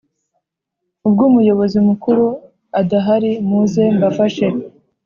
ubw Umuyobozi mukuru adahari muze mbafashe